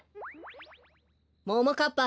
ももかっぱ